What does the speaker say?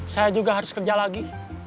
saya juga harus kerja lagi